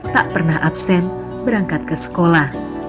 tak pernah absen berangkat ke sekolah